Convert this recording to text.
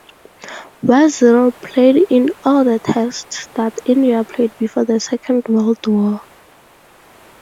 Wazir played in all the Tests that India played before the second world war.